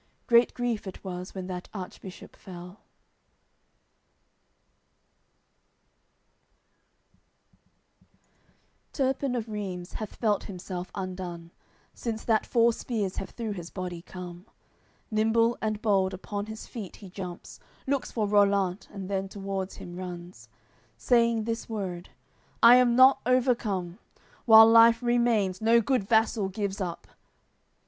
Great grief it was, when that Archbishop fell. AOI. CLV Turpin of Reims hath felt himself undone, Since that four spears have through his body come; Nimble and bold upon his feet he jumps; Looks for Rollant, and then towards him runs, Saying this word: "I am not overcome. While life remains, no good vassal gives up."